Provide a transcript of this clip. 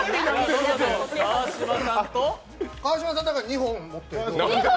川島さん２本持って。